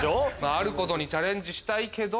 あることにチャレンジしたいけど。